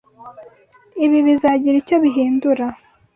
Ibi bizagira icyo bihindura?